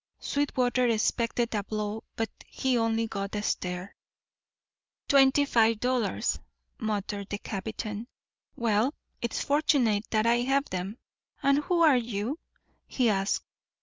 Sweetwater expected a blow, but he only got a stare. "Twenty five dollars," muttered the captain. "Well, it's fortunate that I have them. And who are you?" he asked.